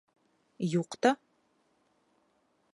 — Юҡ та.